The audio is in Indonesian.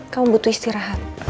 kamu butuh istirahat